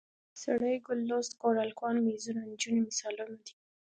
سړی، ګل، لوست، کور، هلکان، میزونه، نجونې مثالونه دي.